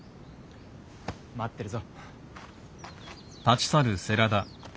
待ってるぞ。